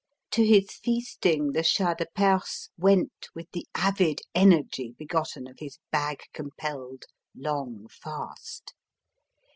To his feasting the Shah de Perse went with the avid energy begotten of his bag compelled long fast.